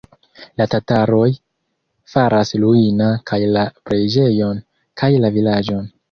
La tataroj faras ruina kaj la preĝejon, kaj la vilaĝon.